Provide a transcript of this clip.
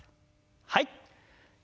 はい。